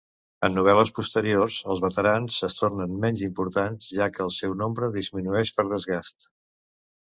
En novel·les posteriors, els veterans es tornen menys importants, ja que el seu nombre disminueix per desgast.